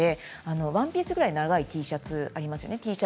ワンピースぐらい長いＴシャツありますよね。